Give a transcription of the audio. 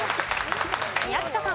宮近さん。